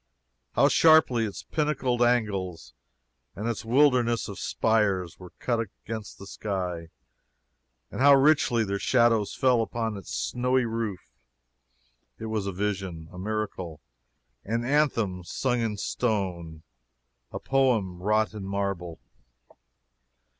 How sharply its pinnacled angles and its wilderness of spires were cut against the sky, and how richly their shadows fell upon its snowy roof! It was a vision! a miracle! an anthem sung in stone, a poem wrought in marble!